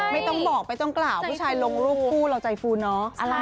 ไม่ต้องบอกไม่ต้องกล่าวผู้ชายลงรูปคู่เราใจฟูเนาะ